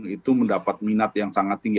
itu mendapat minat yang sangat tinggi